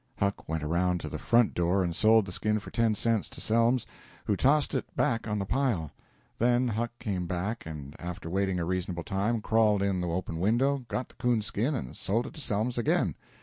Huck went around to the front door and sold the skin for ten cents to Selms, who tossed it back on the pile. Then Huck came back and, after waiting a reasonable time, crawled in the open window, got the 'coon skin, and sold it to Selms again.